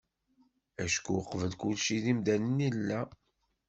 Acku uqbel kulci d imdanen i nella.